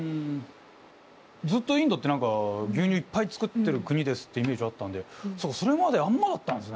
ずっとインドって何か牛乳いっぱい作ってる国ですってイメージあったんでそうかそれまであんまだったんですね。